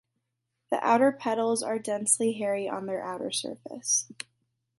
The outer petals are densely hairy on their outer surface.